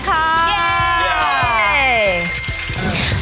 เยี้ยม